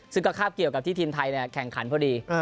ซึ่งก็คาบเกี่ยวกับที่ทีมไทยแข่งขันพอดี